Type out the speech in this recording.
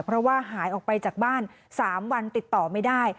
เพราะว่าหายออกไปจากบ้าน๓วันติดต่อไม่ได้